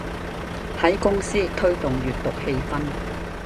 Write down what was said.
喺公司推動閱讀風氣